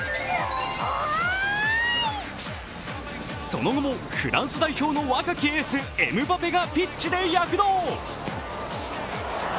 その後もフランス代表の若きエース・エムバペがピッチで躍動。